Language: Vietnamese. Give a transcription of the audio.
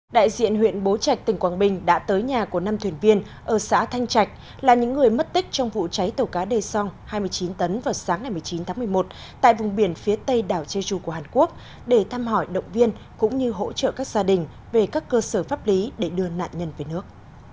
đại diện huyện bố trạch tỉnh quảng bình đã tới nhà của năm thuyền viên ở xã thanh trạch là những người mất tích trong vụ cháy tàu cá đê song hai mươi chín tấn vào sáng ngày một mươi chín tháng một mươi một tại vùng biển phía tây đảo chê chu của hàn quốc để thăm hỏi động viên cũng như hỗ trợ các gia đình về các cơ sở pháp lý để đưa nạn nhân về nước